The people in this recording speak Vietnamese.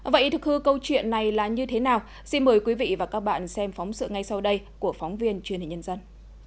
vậy thực hư câu chuyện này là như thế nào xin mời quý vị và các bạn xem phóng sự ngay sau đây của phóng viên truyền hình nhân dân